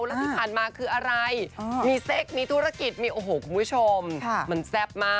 และผ่านมาคืออะไรมีเสกมีธุรกิจมีโอ้โหคุณผู้ชม